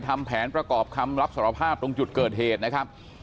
ทำแผนประกอบคำรับสารภาพตรงจุดเกิดเหตุนะครับ